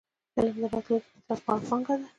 علم د راتلونکي نسل لپاره پانګه ده.